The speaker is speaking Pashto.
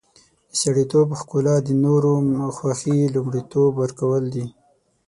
د سړیتوب ښکلا د نورو خوښي لومړیتوب ورکول دي.